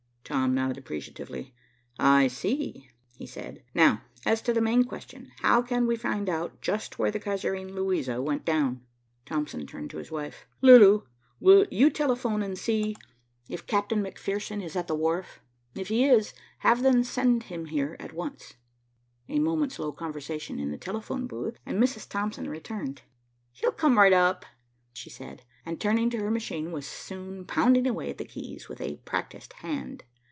Tom nodded appreciatively. "I see," he said. "Now as to the main question. How can we find out just where the Kaiserin Luisa went down?" Thompson turned to his wife. "Lulu, will you telephone down and see if Cap'n McPherson is at the wharf. If he is, have them send him here at once." A moment's low conversation in the telephone booth, and Mrs. Thompson returned. "He'll come right up," she said, and, turning to her machine, was soon pounding away at the keys with a practised hand.